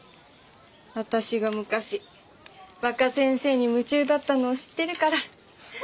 あたしが昔若先生に夢中だったのを知ってるから。